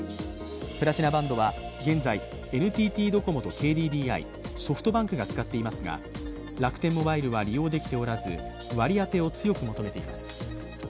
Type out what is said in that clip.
プラチナバンドは現在、ＮＴＴドコモとＫＤＤＩ、ソフトバンクが使っていますが楽天モバイルは利用できておらず割り当てを強く求めています。